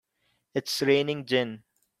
It's raining gin!